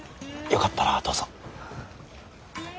よかったらどうぞ。